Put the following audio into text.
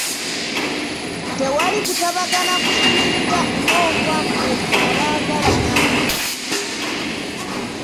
Tewali kutabagana kusinga ng’okwammwe abaagalana.